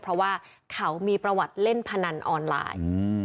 เพราะว่าเขามีประวัติเล่นพนันออนไลน์